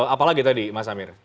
apalagi tadi mas amir